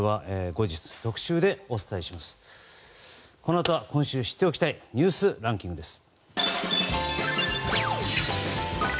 このあとは今週知っておきたいニュースランキングです。